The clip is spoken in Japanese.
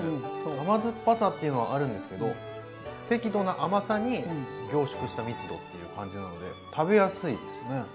甘酸っぱさていうのはあるんですけど適度な甘さに凝縮した密度っていう感じなので食べやすいですね。